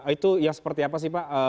itu ya seperti apa sih pak